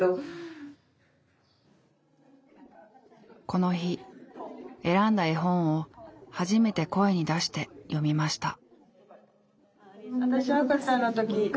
この日選んだ絵本を初めて声に出して読みました。